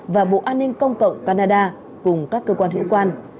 và bộ an ninh công cộng canada cùng các cơ quan hữu quan